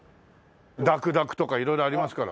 『だくだく』とか色々ありますから。